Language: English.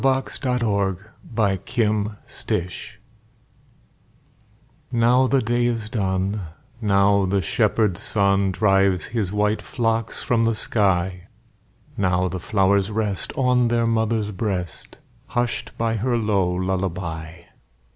Louisa May Alcott Lullaby NOW the day is done, Now the shepherd sun Drives his white flocks from the sky; Now the flowers rest On their mother's breast, Hushed by her low lullaby.